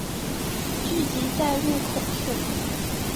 聚集在入口处